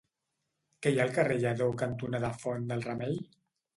Què hi ha al carrer Lledó cantonada Font del Remei?